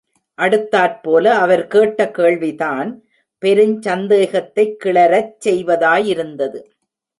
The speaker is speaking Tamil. அடுத்தாற்போல அவர் கேட்ட கேள்விதான் பெருஞ் சந்தேகத்தைக் கிளரச் செய்வதாயிருந்தது.